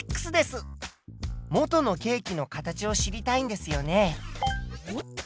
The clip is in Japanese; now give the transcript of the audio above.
元のケーキの形を知りたいんですよね？